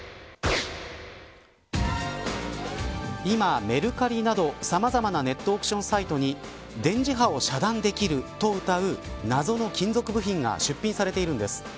今、メルカリなどさまざまなネットオークションサイトに電磁波を遮断できるとうたう謎の金属部品が出品されているんです。